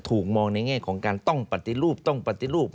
ถูกมองในแง่ของการต้องปฏิรูป